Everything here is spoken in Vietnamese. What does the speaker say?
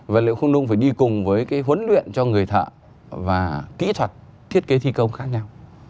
vật liệu không nung phải đi cùng với cái huấn luyện cho người thợ và kỹ thuật thiết kế thi công khác nhau